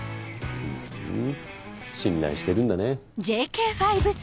ふん信頼してるんだね。